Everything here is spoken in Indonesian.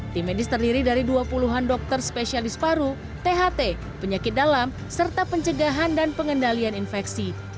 tim medis terdiri dari dua puluh an dokter spesialis paru tht penyakit dalam serta pencegahan dan pengendalian infeksi